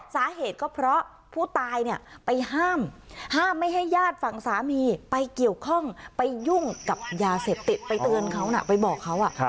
สาเหตุก็เพราะผู้ตายเนี่ยไปห้ามห้ามไม่ให้ญาติฝั่งสามีไปเกี่ยวข้องไปยุ่งกับยาเสพติดไปเตือนเขานะไปบอกเขา